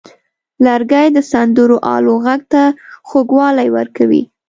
لرګی د سندرو آلو غږ ته خوږوالی ورکوي.